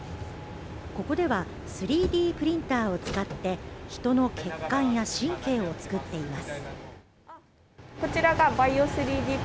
ここでは３Ｄプリンターを使ってヒトの血管や神経を作っています。